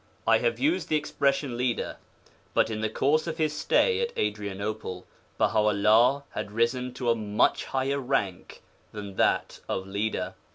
I have used the expression 'Leader,' but in the course of his stay at Adrianople Baha 'ullah had risen to a much higher rank than that of 'Leader.'